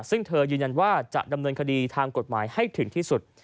ซึ่งเธอยืนยันว่าจะดำเนินคดีทางกฎหมายให้ถึงที่สุด